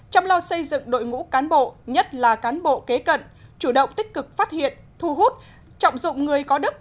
chăm lo xây dựng đội ngũ cán bộ nhất là cán bộ kế cận chủ động tích cực phát hiện thu hút trọng dụng người có đức